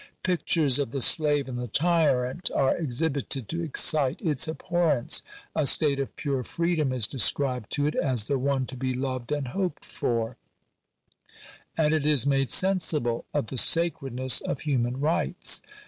Pictures of the slave and the tyrant are exhibited to excite its abhorrence ; a state of pure freedom is described to it as the one to be loved and hoped for; and it is made sensible of the sacredness of human rights.